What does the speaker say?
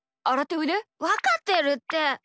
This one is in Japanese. わかってるって！